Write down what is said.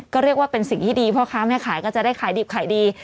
ก็เรียกว่าเป็นสิ่งที่ดีพ่อค้าแม่ขายก็จะได้ขายดิบขายดี